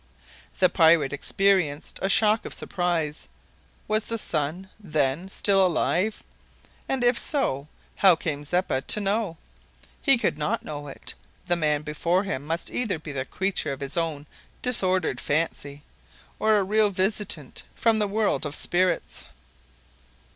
The pirate experienced a shock of surprise was the son, then, still alive? And, if so, how came Zeppa to know? He could not know it! The man before him must either be the creature of his own disordered fancy, or a real visitant from the world of spirits!